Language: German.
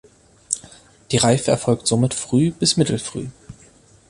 Die Reife erfolgt somit früh bis mittelfrüh.